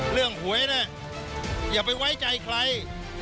เรื่องหวยเนี่ยอย่าไปไว้ใจใคร